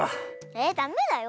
えっダメだよ。